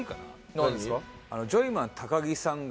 何？